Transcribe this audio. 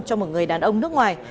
cho một người đàn ông nước ngoài